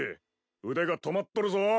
腕が止まっとるぞ。